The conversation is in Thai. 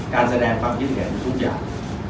การเสดงแรงฟังกิจแห่งมิทรุกศาสตร์